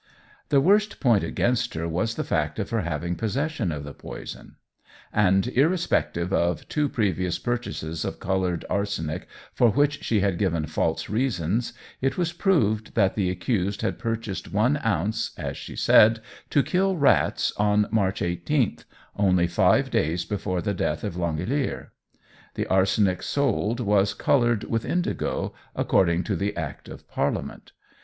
The worst point against her was the fact of her having possession of the poison; and, irrespective of two previous purchases of coloured arsenic for which she had given false reasons, it was proved that the accused had purchased one ounce, as she said, "to kill rats," on March 18, only five days before the death of L'Angelier. The arsenic sold was coloured with indigo, according to the Act of Parliament.